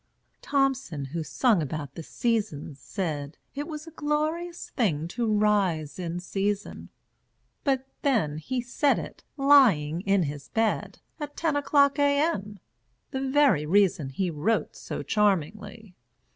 Thomson, who sung about the "Seasons," said It was a glorious thing to rise in season; But then he said it lying in his bed, At ten o'clock, A. M., the very reason He wrote so charmingly.